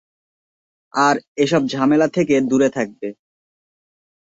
আর এসব ঝামেলা থেকে দূরে থাকবে।